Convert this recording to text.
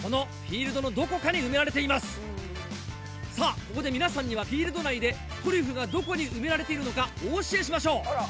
ここで皆さんにはフィールド内でトリュフがどこに埋められているのかお教えしましょう。